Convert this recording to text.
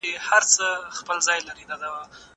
دا کتاب له هغه مفيد دی!